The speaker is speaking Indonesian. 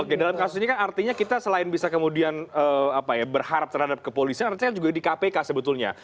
oke dalam kasus ini kan artinya kita selain bisa kemudian berharap terhadap kepolisian artinya juga di kpk sebetulnya